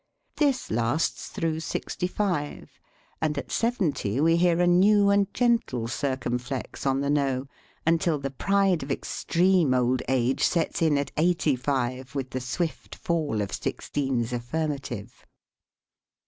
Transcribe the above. This lasts through sixty five, and at seventy we hear a new and gentle circumflex on the "no," until the pride of extreme old age sets in at eighty five with the swift fall of Sixteen's affirmative.